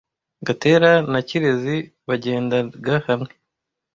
Gatera na Kirezi bagendaga hamwe.